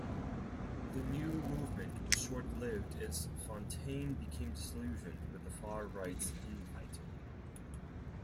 The new movement was short-lived as Fountaine became disillusioned with the far right's in-fighting.